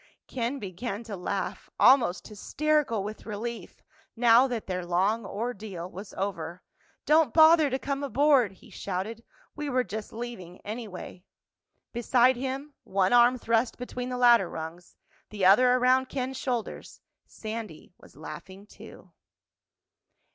Ken began to laugh, almost hysterical with relief now that their long ordeal was over. "Don't bother to come aboard," he shouted. "We were just leaving, anyway." Beside him, one arm thrust between the ladder rungs, the other around Ken's shoulders, Sandy was laughing too.